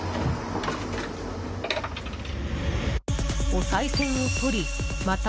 おさい銭を取りまた